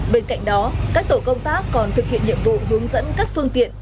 bên cạnh đó các tổ công tác còn thực hiện nhiệm vụ hướng dẫn các phương tiện